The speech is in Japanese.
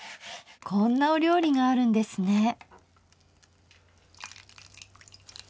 こんなお料理があるんですね。